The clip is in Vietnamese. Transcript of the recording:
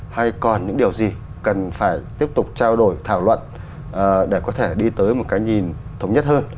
hay còn những điều gì cần phải tiếp tục trao đổi thảo luận để có thể đi tới một cái nhìn thống nhất hơn